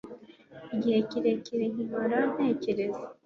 Igihe kirekire nkimara ntekereza